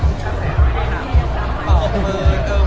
สวัสดีครับ